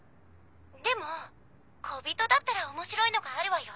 でも小人だったら面白いのがあるわよ。